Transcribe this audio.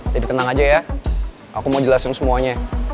jadi tenang aja ya aku mau jelasin semuanya